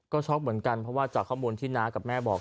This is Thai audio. ก็ช็อกเหมือนกันเพราะว่าจากข้อมูลที่น้ากับแม่บอก